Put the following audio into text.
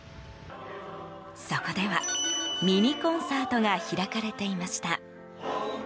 そこでは、ミニコンサートが開かれていました。